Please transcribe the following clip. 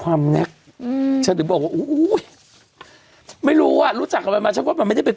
อืมฉันหรือบอกว่าอู้้ยไม่รู้อ่ะรู้จักกันมาฉันก็ว่ามันไม่ได้เป็น